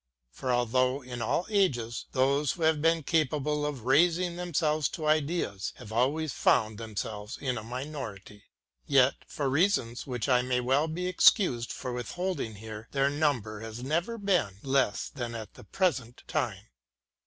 For although, in all ages, those who have been capable of raising themselves to ideas, have always found themselves in a minority, — yet, for reasons which I may well be excused for withholding here, their number lias never been less than at the present time.